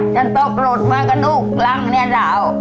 ก็ตกหลุดไปกระณูกลั้งเนี่ยเรา